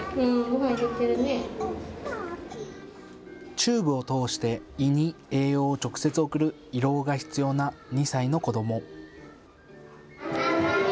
チューブを通して胃に栄養を直接送る胃ろうが必要な２歳の子ども。